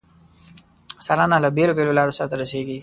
څارنه له بیلو بېلو لارو سرته رسیږي.